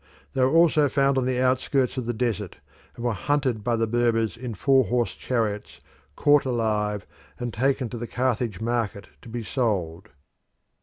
They were also found on the outskirts of the desert, and were hunted by the Berbers in four horse chariots, caught alive, and taken to the Carthage market to be sold.